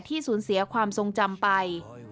สูญเสียความทรงจำไป